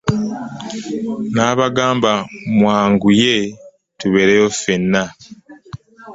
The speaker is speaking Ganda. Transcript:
Nabagamba mwanguye tubeereyo ffenna.